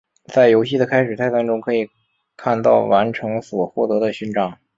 在游戏的开始菜单中可以看到完成所获得的勋章。